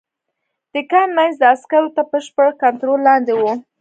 د کان منځ د عسکرو تر بشپړ کنترول لاندې و